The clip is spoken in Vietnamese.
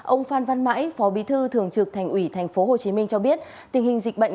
ông phan văn mãi phó bí thư thường trực thành ủy tp hcm cho biết tình hình dịch bệnh